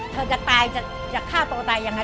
เธอจะตายจะฆ่าตัวตายยังไง